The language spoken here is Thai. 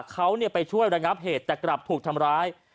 เขาไปช่วยระงับเหตุแต่กลับถูกทำร้าย